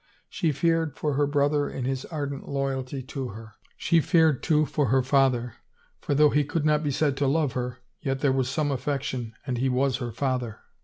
She feared for her brother, in his ardent loyalty to her — she feared, too, for her father, for though he could not be said to love her yet there was some affec tion and he was her father.